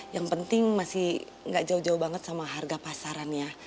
yang penting masih gak jauh jauh banget sama harga pasarannya